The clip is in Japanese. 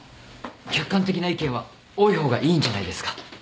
客観的な意見は多い方がいいんじゃないですか。